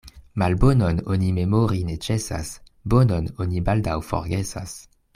Malbonon oni memori ne ĉesas, bonon oni baldaŭ forgesas.